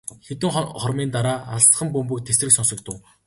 Хэдэн хормын дараа алсхан бөмбөг тэсрэх сонсогдов.